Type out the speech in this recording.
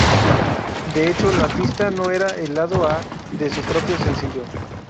De hecho la pista no era el lado A de su propio sencillo.